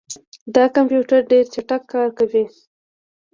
دا کمپیوټر ډېر چټک کار کوي.